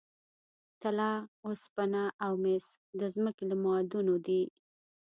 طلا، اوسپنه او مس د ځمکې له معادنو دي.